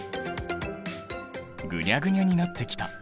ぐにゃぐにゃになってきた。